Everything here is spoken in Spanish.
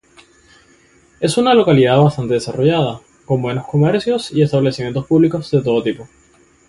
Es una localidad bastante desarrollada, con comercios y establecimientos públicos de todo tipo.